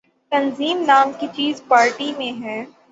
تنظیم نام کی چیز پارٹی میں ہے۔